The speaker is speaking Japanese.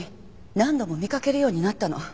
何度も見かけるようになったの。